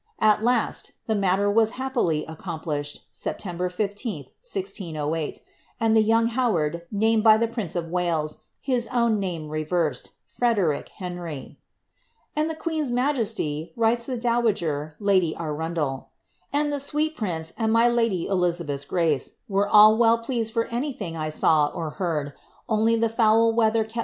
At last, the matter was happily accomplished, September 1 5, 1008, and the youn^ Howard named by the prince of Wales, his own name reversed, Frederic Henry; ^and the queen's majesty," writes the dowager, lady Arundel, ^ and the sweet prince and my lady Elizabeth's grace were all well pleased for anything ' He seems to designate Salisbury himself as cipher 10.